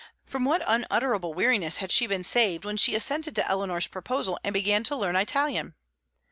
From what unutterable weariness had she been saved when she assented to Eleanor's proposal and began to learn Italian!